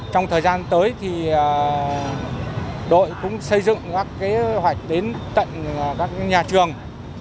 trong thời gian tới thì đội cũng xây dựng các kế hoạch đến tận các nhà trường